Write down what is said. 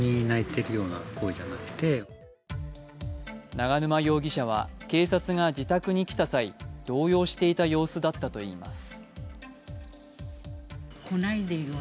永沼容疑者は警察が自宅に来た際、動揺していた様子だったといいます。